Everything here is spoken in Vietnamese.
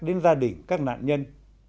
đến gia đình các nạn nhân